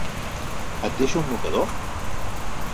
Et deixo un mocador?